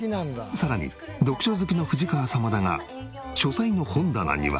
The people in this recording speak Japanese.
さらに読書好きの藤川様だが書斎の本棚には。